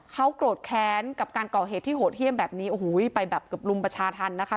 เขาโกรธแค้นกับการก่อเหตุที่โหดเยี่ยมแบบนี้โอ้โหไปแบบเกือบลุมประชาธรรมนะคะ